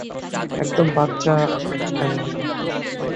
একদম বাচ্চা একটা মেয়ে ও।